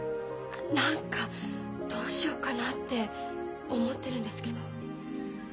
何かどうしようかなって思ってるんですけど。